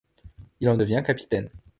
Il en devient capitaine.